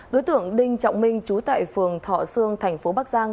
đối tượng đinh trọng minh trú tại phường thọ sương thành phố bắc giang